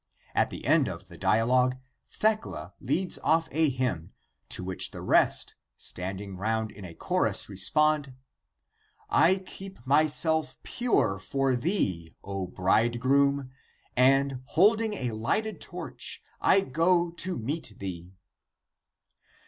At the end of the dialogue Thecla leads off a hymn, to which the rest, standing round as a chorus respond :" I keep myself pure for Thee, O Bridegroom, and holding a lighted torch I go to meet Thee."